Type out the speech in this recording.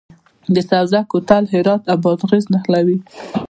د سبزک کوتل هرات او بادغیس نښلوي